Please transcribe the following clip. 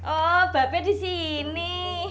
oh bapak disini